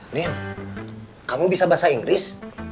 nin kamu bisa bahasa inggris